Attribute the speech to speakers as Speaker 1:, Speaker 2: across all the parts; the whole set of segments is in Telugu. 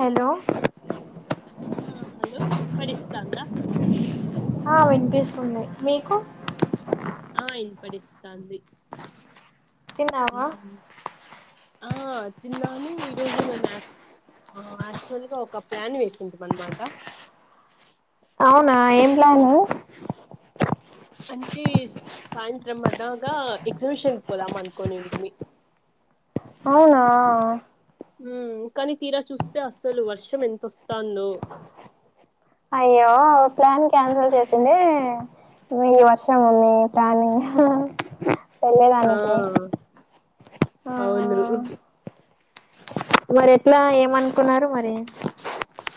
Speaker 1: హలో
Speaker 2: ఆ హలో ఇన్ని పడస్తా అందా
Speaker 1: ఉన్నాయి మీకు
Speaker 2: ఆ ఇన్ పటిస్తతంది
Speaker 1: తిన్నావా
Speaker 2: ఆ తిన్నాను ఈ రోజు మే మ్యా ఆ యాక్చువల్ గా ఒక ప్లాన్ వేసింటాం అనమాట
Speaker 1: అవునా ఏం ప్లాను
Speaker 2: అంటే సాయంత్రం అలాగా ఎగ్జిబిషన్ కి పోదాం అనుకోనింటిమి
Speaker 1: అవునా
Speaker 2: ఉమ్, కానీ తీరా చూస్తే అసలు వర్షం ఎంతొస్తుందో
Speaker 1: అయ్యో ప్లాన్ క్యాన్సిల్ చేసింది ఈ వర్షము మీ ప్లానింగ్ ఆహా
Speaker 2: ఆ
Speaker 1: వెళ్లేదానికి ఆ
Speaker 2: అవును
Speaker 1: మరి ఎట్లా ఏమనుకున్నారు మరి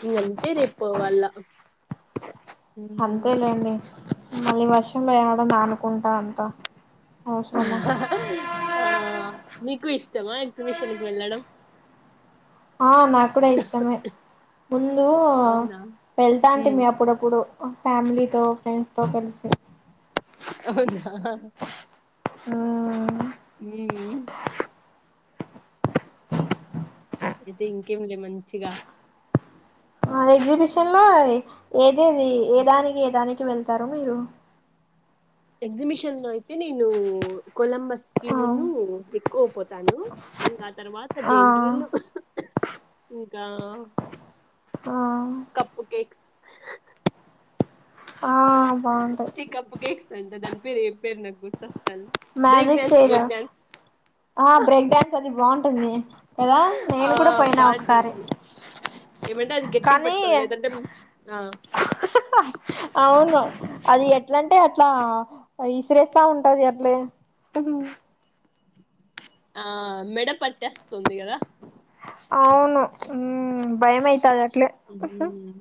Speaker 2: ఇంకా అంతే రేపు పోవాలా
Speaker 1: అంతేలేండి మళ్ళీ వర్షంవడం నానుకుంటా అంత అవశ్రమ
Speaker 2: ఆ నీకు ఇష్టమా ఎగ్జిబిషన్కి వెళ్ళడం
Speaker 1: ఆ నాకూడా ఇష్టమే ముందు
Speaker 2: అవునా ఉమ్,
Speaker 1: వెళ్తాంటిమీ అప్పుడప్పుడు ఫ్యామిలీతో ఫ్రెండ్స్ తో కలిసి
Speaker 2: అవునా
Speaker 1: ఆ
Speaker 2: హూ అయితే ఇంకేంలే మంచిగా
Speaker 1: మన ఎగ్జిబిషన్ లో ఏదేది ఏదానికి ఏదానికి వెళ్తారు మీరు
Speaker 2: ఎక్సిిబిషన్స్ లో అయితే నేను కొలంబస్
Speaker 1: ఆ
Speaker 2: కిను కోపోతాను ఇంకా తర్వాత
Speaker 1: ఆ
Speaker 2: జైంట్ వీలు ఇంకా
Speaker 1: ఆ
Speaker 2: కప్పు కేక్స్
Speaker 1: ఆ బాగుంటాయి
Speaker 2: ఛీ కప్ కేక్స్ అంట దాని పేరు పేరు నగ్ గుడుతస్త
Speaker 1: మ్యాజిక్ ఫైర్ ఆ బ్రేక్ డ్యాన్స్ అది బాగుంటుంది కదా నేను
Speaker 2: ఆ
Speaker 1: కూడా పోయినా ఒకసారి
Speaker 2: బాగుంటది ఏమంటే అది గట్టికి
Speaker 1: కానీ
Speaker 2: పట్టుకోవాలి లేదంటే ఆ
Speaker 1: అవును అద్ అది ఎట్ల అంటే అట్లా విసిరేస్తా ఉంటది అట్లే
Speaker 2: ఆ మెడ పట్టేస్తుంది కదా
Speaker 1: అవును భయంమైతాది అట్లే
Speaker 2: ఉమ్,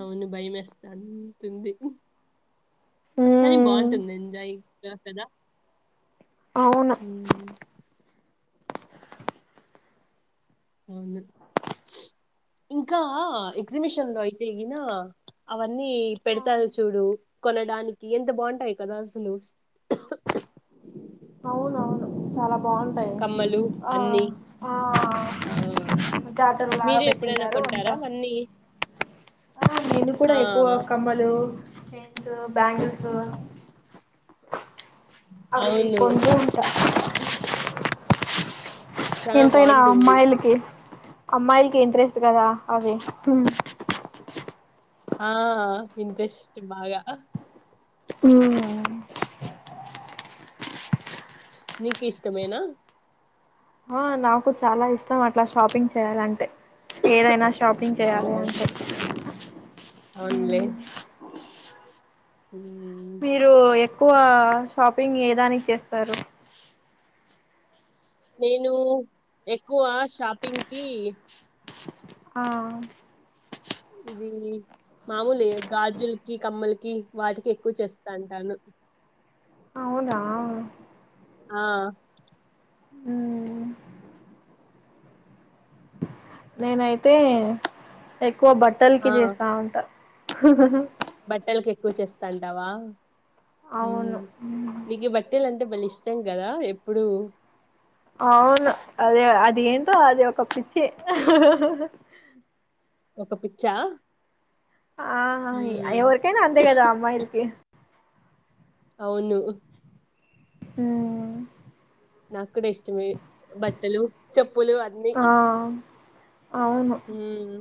Speaker 2: అవును భయమ వేస్తాంటుంది. కానీ
Speaker 1: ఉమ్
Speaker 2: బాగుంటుంది ఎంజయ్ కదా
Speaker 1: అవును
Speaker 2: ఉమ్, అవును ఇంకా ఎగ్జిబిషన్ లో అయితే ఈన అ అన్నీ పెడతారు చూడు కొనడానికి ఎంత బాగుంటాయి కదా అసలు
Speaker 1: అవునవును చాలా బాగుంటాయి
Speaker 2: కమ్మలు
Speaker 1: ఆ
Speaker 2: అన్ని
Speaker 1: ఆ
Speaker 2: ఆ
Speaker 1: జాతరలు లాగా
Speaker 2: మీరు ఎప్పుడైనా
Speaker 1: పెట్టింటారు అంత
Speaker 2: కొంటారా అవన్నీ
Speaker 1: ఆ నేను కూడా
Speaker 2: ఆ
Speaker 1: ఎక్కువ కమ్మలు చైన్స్ బ్యాంగిల్స్ అవి
Speaker 2: అవును
Speaker 1: కొంటూ ఉంటా
Speaker 2: చాలా
Speaker 1: ఎంతైనా
Speaker 2: బాగుంటుంది
Speaker 1: అమ్మాయిలుకి అమ్మాయిల్ కి ఇంట్రెస్ట్ కదా అవి
Speaker 2: ఆ ఇంట్రెస్ట్ బాగా
Speaker 1: ఉ
Speaker 2: నీకు ఇష్టమేనా
Speaker 1: ఆ నాకు చాలా ఇష్టం అట్ల షాపింగ్ చేయాలంటే ఏదైనా షాపింగ్ చేయాలి
Speaker 2: అవు
Speaker 1: అని చెప్పి
Speaker 2: అవునులే ఉమ్
Speaker 1: మీరు ఎక్కువ షాపింగ్ ఏ దానికి చేస్తారు
Speaker 2: నేను ఎక్కువ షాపింగ్ కి
Speaker 1: ఆ
Speaker 2: ఇది మామూలే గాజులకి కమ్మలకి వాటికి ఎక్కువ చేస్తాంటాను
Speaker 1: అవునా
Speaker 2: ఆ
Speaker 1: ఉమ్ నేనైతే ఎక్కువ బట్టలకి
Speaker 2: ఆ
Speaker 1: చేస్తా ఉంటా హహహ
Speaker 2: బట్టలకి ఎక్కువ చేస్తాంటావా
Speaker 1: అవును
Speaker 2: నీకు బట్టలు అం టే భలే ఇష్టం కదా ఎప్పుడు
Speaker 1: అవును అదే అది ఏంటో అది ఒక పిచ్చి
Speaker 2: ఒక పిచ్చా
Speaker 1: ఆ
Speaker 2: ఉమ్
Speaker 1: ఎవరికైనా అంతే కదా అమ్మాయిలకి
Speaker 2: అవును
Speaker 1: హుమ్
Speaker 2: నాకు కూడా ఇష్టమే బట్టలు చెప్పులు అన్నీ
Speaker 1: ఆ అవును
Speaker 2: ఉమ్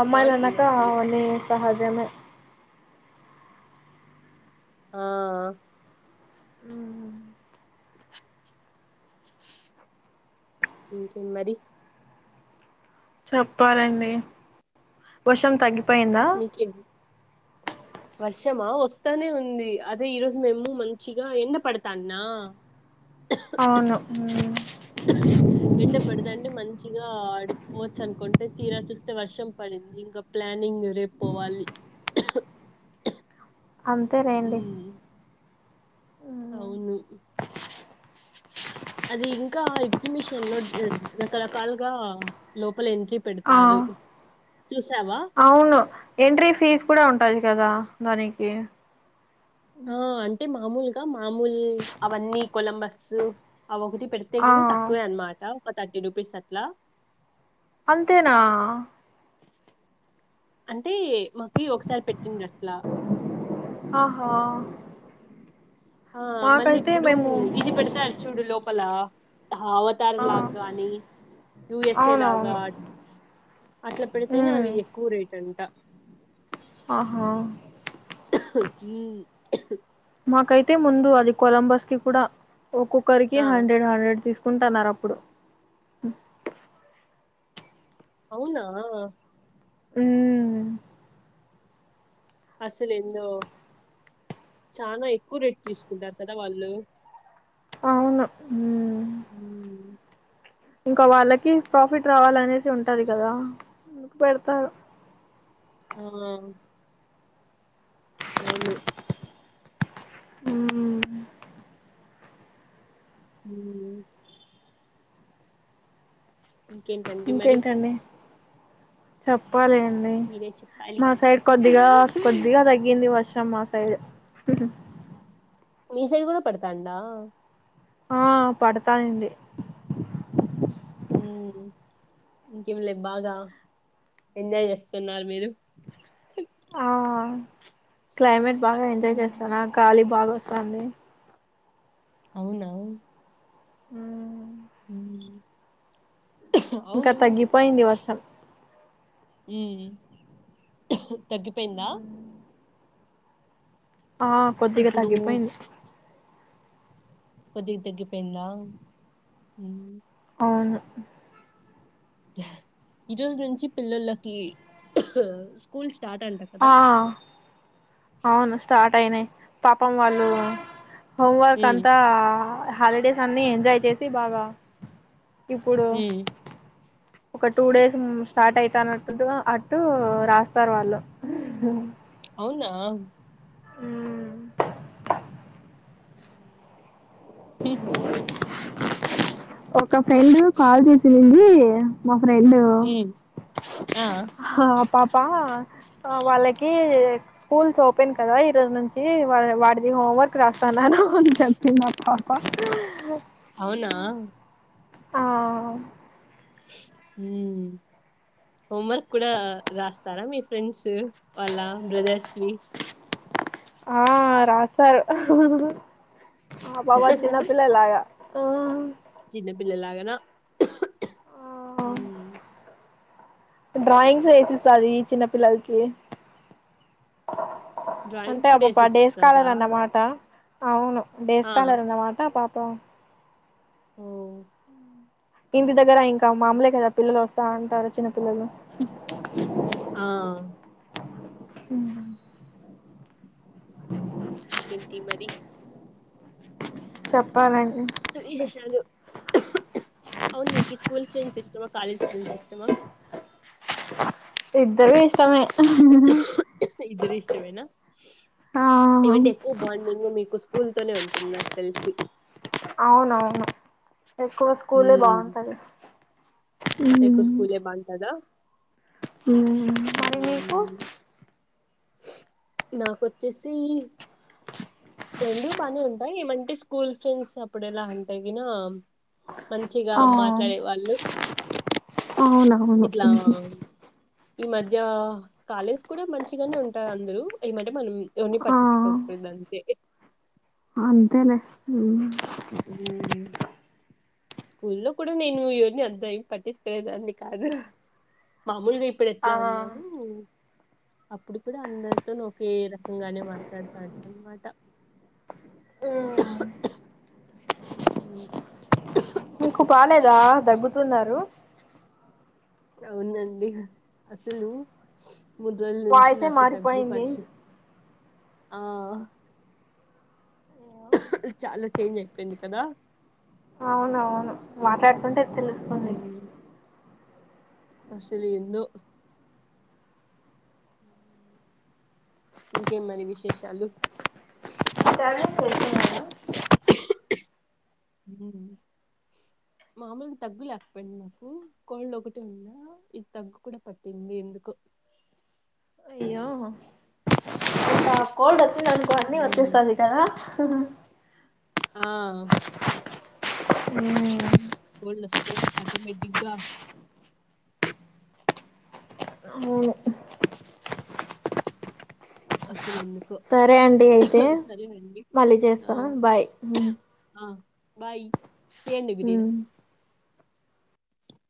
Speaker 1: అమ్మాయిలు
Speaker 2: బాగుంటుంది
Speaker 1: అన్నాక
Speaker 2: అసలు
Speaker 1: అవన్నీ సహజమే
Speaker 2: ఆ
Speaker 1: ఉమ్
Speaker 2: ఇంకేం మరి
Speaker 1: చెప్పాలండి వర్షం తగ్గి
Speaker 2: మీక్యూ వర్షమా వస్తానే ఉంది అదే ఈరోజు మేము మంచిగా ఎండ పడతాన్నా
Speaker 1: అవును
Speaker 2: ఎండా పడతంటే మం చిగా అడుపోవచ్చు అనుకుంటే తీరా చూస్తే వర్షం పడింది ఇంకా ప్లానింగ్ రేపు పోవాలి
Speaker 1: అంతేలేండి
Speaker 2: ఉమ్
Speaker 1: ఉమ్,
Speaker 2: అవును అది ఇంకా ఎగ్జిబిషన్ లో రకరకాలుగా లో ప్పులంకీ
Speaker 1: ఆ
Speaker 2: పెడతారు చూసావా
Speaker 1: అవును ఎంట్రీ ఫీజు కూడా ఉంటది కదా దానికి
Speaker 2: ఆ అంటే మామూలుగా మామూలు అవన్నీ కొలంబస్ ఆ ఒకటి పెడితే
Speaker 1: ఆ
Speaker 2: కింద తక్కువే అనమాట ఒక థర్టీ రూపీస్ అట్లా
Speaker 1: అంతేనా
Speaker 2: అంటే మాకి ఒకసారి పెట్టిండి అట్లా
Speaker 1: ఆహా
Speaker 2: ఆ మళ్ళీ
Speaker 1: మాకైతే
Speaker 2: ఇప్పుడు
Speaker 1: మేము
Speaker 2: ఇది పెడతారు చూడు లోపల అవతార్
Speaker 1: ఆ
Speaker 2: లాగా కాని యుయసేలాగా
Speaker 1: అవునవును
Speaker 2: అట్లా పెడితేనే
Speaker 1: ఉమ్
Speaker 2: అవి ఎక్కువ రేట్ అంట
Speaker 1: ఆహ
Speaker 2: ఉమ్,
Speaker 1: మాకైతే ముందు అది కొలంబస్ కి కూడా ఒక్కొక్కరికి
Speaker 2: ఆ
Speaker 1: హండ్రెడ్ హండ్రెడ్ తీసుకు కుంటున్నారు అప్పుడు
Speaker 2: అవునా
Speaker 1: ఉమ్
Speaker 2: అసలు ఎందో చాన ఎక్కువ రేట్ తీసుకుంటారు కదా వాళ్ళు
Speaker 1: అవును ఉ
Speaker 2: ఉ
Speaker 1: ఇంక వాళ్ళకి ప్రాఫిట్ రావాలనేసి ఉంటది కదా పెడతను
Speaker 2: ఆ అవును
Speaker 1: ఉహు
Speaker 2: ఉ ఇంకేంటండి మరి
Speaker 1: ఇంకేంటండి చెప్పాలి అండి
Speaker 2: మీరే చెప్పాలి
Speaker 1: మా సైడ్ కొద్దిగా కొద్దిగా తగ్గింది వర్షం మా సైడ్ ఇ
Speaker 2: మీసైడ్ కూడా పడతాందా
Speaker 1: ఆ పడతాంది
Speaker 2: ఉ ఇంకేమిలే బాగా ఎంజాయ్ చేస్తున్నారు మీరు
Speaker 1: ఆ క్లైమేట్ బాగా ఎంజాయ్
Speaker 2: ఉమ్,
Speaker 1: చేస్తానా గాలి బాగా వస్తాంది
Speaker 2: అవునా
Speaker 1: ఉ ఇంకా
Speaker 2: అవును
Speaker 1: తగ్గిపోయింది వర్షం
Speaker 2: ఉ తగ్గిపోయిందా
Speaker 1: ఆ కొద్దిగా
Speaker 2: ఇప్పుడు
Speaker 1: తగ్గిపోయింది
Speaker 2: కొద్దిగ తగ్గిపోయింద
Speaker 1: అవును
Speaker 2: ఈ రోజు నుంచి పిల్లొల్లకి స్కూల్స్ స్టార్ట్ అంట కదా
Speaker 1: ఆ అవును స్టార్ట్ అయినాయి పాపం వాళ్ళు హోంవర్క్
Speaker 2: ఉమ్,
Speaker 1: అంతా హాలిడేస్ అన్ని ఎంజాయ్ చేసి బాగా ఇప్పుడు
Speaker 2: ఉమ్,
Speaker 1: ఒక టూ డేస్ స్టార్ట్ అయితానట్ అటు రాస్తారు వాళ్ళు
Speaker 2: అవునా
Speaker 1: ఉ ఒక ఫ్రెండ్ కాల్ చేసింది రెండు
Speaker 2: ఉమ్, ఆ
Speaker 1: హా పాపా ఆ వాళ్ళకి స్కూల్స్ ఓపెన్ కదా ఈరోజు నుంచి వాడిది హోంవర్క్ రాస్తాన్నాను అని చెప్పింది ప
Speaker 2: అవునా
Speaker 1: ఆ
Speaker 2: ఉ హోంవర్క్ కూడా రాస్తారా మీ ఫ్రెండ్స్ వాళ్ళ బ్రదర్స్వి
Speaker 1: ఆ రాస్తారు ఆ బాబా చిన్నపిల్లలాగా ఆ
Speaker 2: చిన్న పిల్లలాగానా
Speaker 1: డ్రాయింగ్స్ వేసిస్తాది చిన్న పిల్లల్కి అంటే
Speaker 2: డ్రాయింగ్స్
Speaker 1: ఆ
Speaker 2: కూడా
Speaker 1: పాప డేస్
Speaker 2: వేసిస్తదా
Speaker 1: కాలర్ అన్నమాట. అవును డేస్
Speaker 2: ఆ
Speaker 1: కాలర్ అన్నమాట పా ప
Speaker 2: ఓ
Speaker 1: ఇంటి దగ్గర ఇంకా మామూలే కదా పిల్లల్ వస్తా ఉంటారు చిన్న పిల్లలు
Speaker 2: ఆ
Speaker 1: అవునా
Speaker 2: ఇంకేంటి మరి
Speaker 1: చెప్పాలం
Speaker 2: విశేషాలు అవున్ మీకి స్కూల్ ఫ్రెండ్స్ ఇష్టమా కాలేజ్ ఫ్రెండ్స్ ఇష్టమా?
Speaker 1: ఇద్దరు ఇష్టమే
Speaker 2: ఇద్దరు ఇష్టమేనా
Speaker 1: ఆ
Speaker 2: ఏవంటే ఎక్కు బాండింగ్ మీకు స్కూల్ తోనే ఉంటుంద్ నాక్ తెల్సి
Speaker 1: అవునవును ఎక్కువ స్కూలే బాగుంటది.
Speaker 2: ఎక్కువ స్కూలే బాగుంటదా?
Speaker 1: మరి మీకు
Speaker 2: నాకొచ్చేసీ రెండు బానే ఉంటాయి ఏమంటే స్కూల్ ఫ్రెండ్స్ అప్పుడెలా అంటే గినా మంచిగా
Speaker 1: ఆ
Speaker 2: మాట్లాడే వాళ్ళు
Speaker 1: అవునవును.
Speaker 2: ఇట్లా ఈ మధ్యా కాలేజ్ కూడా మంచిగనే ఉంటార్ అందరూ ఏమంటే మనం ఎవర్ని పట్టిచ్చుకోకూడదంతే
Speaker 1: అంతెలే మ్
Speaker 2: మ్ స్కూల్లో కుడా నేను ఎవర్ని అంత ఏం పట్టిచుకునేదాన్ని కాదు మామూల్గ ఇ ఇప్పుడ్ ఎట్ల
Speaker 1: ఆ
Speaker 2: ఉన్నాను అప్పుడు కుడా అందర్తోన్ ఒకే రకంగానే మాట్లాడ్తాన్ అన్మాట. ఈ
Speaker 1: మీకు బాలేదా దగ్గుతున్నారు.
Speaker 2: అవునండి అసలు మూడు రోజుల్ నుంచి
Speaker 1: వాయిసే
Speaker 2: నాకు దగ్గు
Speaker 1: మారిపోయింది
Speaker 2: పరశు ఆ చాలా చేంజ్ అయిపోయింది కదా
Speaker 1: అవునవును మాట్లాడ్తుంటే తెలుస్తుంది.
Speaker 2: అసల్ ఏందో ఇంకేం మరి విశేషాలు
Speaker 1: [unintelligible]
Speaker 2: మ్ మామూల్ దగ్గు లేకపోయింది నాకు కోల్డ్ ఒకటి ఉందా ఇది తగ్గు కూడా పట్టింది ఎందుకో
Speaker 1: అయ్యో! ఆ కోల్డ్ వచ్చిందనుకో అన్నీ
Speaker 2: హ్మ్
Speaker 1: వచ్చేస్తాది కదా
Speaker 2: ఆ
Speaker 1: మ్....
Speaker 2: కోల్డ్ వస్తే ఆటోమేటిక్గా
Speaker 1: అవును
Speaker 2: అస
Speaker 1: సరే అండి అయితే
Speaker 2: అండి
Speaker 1: మళ్ళీ
Speaker 2: ఆ
Speaker 1: చేస్తా బాయ్ ఉమ్
Speaker 2: ఆ బాయ్ చేయండి విదర